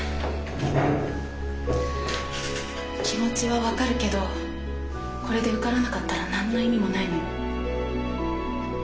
気持ちは分かるけどこれで受からなかったら何の意味もないのよ。